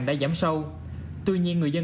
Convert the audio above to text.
đã giảm sâu tuy nhiên người dân